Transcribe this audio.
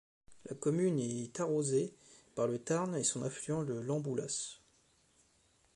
La commune est arrosée par le Tarn et son affluent le Lemboulas.